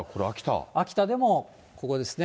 秋田でもここですね。